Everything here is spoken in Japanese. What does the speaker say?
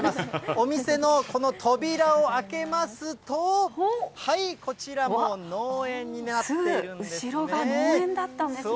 お店のこの扉を開けますと、はい、こちらもう、後ろが農園だったんですね。